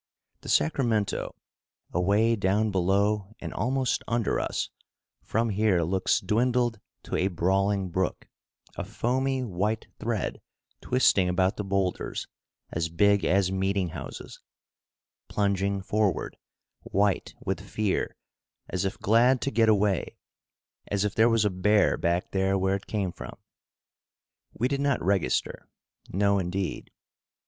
The Sacramento, away down below and almost under us, from here looks dwindled to a brawling brook; a foamy white thread twisting about the boulders as big as meeting houses, plunging forward, white with fear, as if glad to get away as if there was a bear back there where it came from. We did not register. No, indeed.